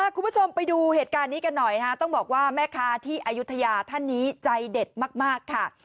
คุณผู้ชมไปดูเหตุการณ์นี้กันหน่อยต้องบอกว่าแม่ค้าที่อายุทยาท่านนี้ใจเด็ดมากค่ะ